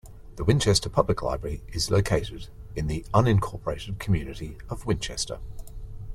The Winchester Public Library is located in the unincorporated community of Winchester.